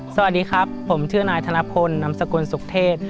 สวัสดีครับผมชื่อนายธนพลนำสกุลสุขเทศ